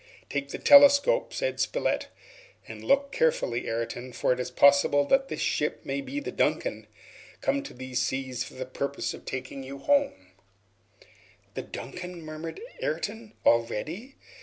"Take this telescope," said Spilett, "and look carefully, Ayrton, for it is possible that this ship may be the 'Duncan' come to these seas for the purpose of taking you home again." "The 'Duncan!'" murmured Ayrton. "Already?"